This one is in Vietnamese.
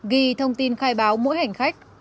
ghi thông tin khai báo mỗi hành khách